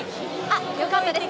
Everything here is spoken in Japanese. よかったです。